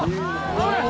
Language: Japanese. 危ない！